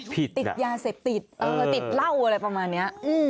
ผิดติดยาเสบติดแล้วติดเล่าอะไรประมาณนี้